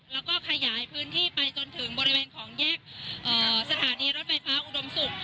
แล้วก็ขยายพื้นที่ไปจนถึงบริเวณของแยกสถานีรถไฟฟ้าอุดมศุกร์